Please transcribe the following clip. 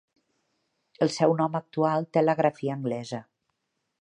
El seu nom actual té la grafia anglesa.